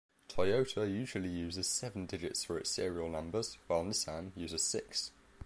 Toyota usually uses seven digits for its serial numbers while Nissan uses six.